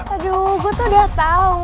aduh gue tuh udah tau